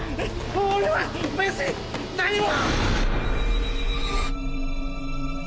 俺は別に何も！